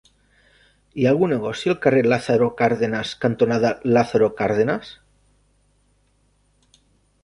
Hi ha algun negoci al carrer Lázaro Cárdenas cantonada Lázaro Cárdenas?